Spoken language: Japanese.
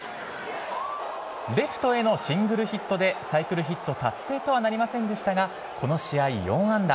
レフトへのシングルヒットで、サイクルヒット達成とはなりませんでしたが、この試合４安打。